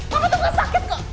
mama tuh gak sakit kok